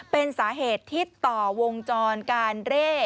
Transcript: เป็นสาเหตุที่ต่อวงจรการเร่